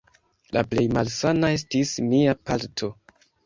La plej malsana estis mia palto.